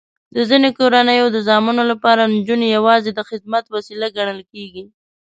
د ځینو کورنیو د زامنو لپاره نجونې یواځې د خدمت وسیله ګڼل کېږي.